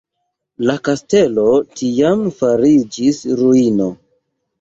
La kastelo tiam fariĝis ruino.